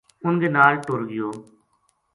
ان کے نال ٹر گیو